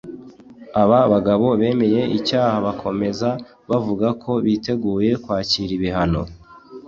Aba bagabo bemeye icyaha bakomeza bavuga ko biteguye kwakira ibihano